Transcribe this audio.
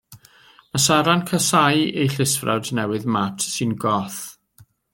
Mae Sara'n casáu ei llysfrawd newydd, Mat, sy'n Goth.